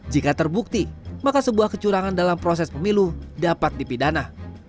jika terbukti maka sebuah kecurangan dalam proses pemilu dapat dipidana